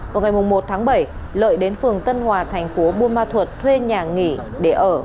vào ngày một tháng bảy lợi đến phường tân hòa thành phố buôn ma thuột thuê nhà nghỉ để ở